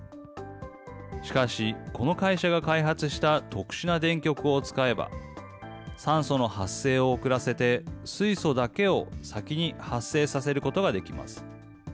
しかし、この会社が開発した特殊な電極を使えば、酸素の発生を遅らせて、水素だけを先に発生させることができます。